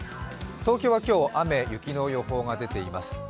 東京は今日雨・雪の予報が出ています。